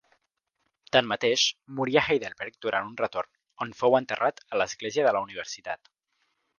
Tanmateix, morí a Heidelberg durant un retorn, on fou enterrat a l'església de la universitat.